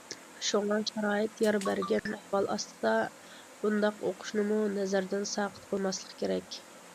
شۇڭا شارائىت يار بەرگەن ئەھۋال ئاستىدا بۇنداق ئوقۇشنىمۇ نەزەردىن ساقىت قىلماسلىق كېرەك.